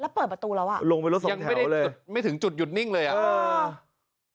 แล้วเปิดประตูแล้วอ่ะลงไปรถสิยังไม่ได้เลยไม่ถึงจุดหยุดนิ่งเลยอ่ะเออ